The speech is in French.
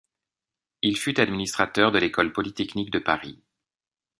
Il fut Administrateur de l'École Polytechnique de Paris.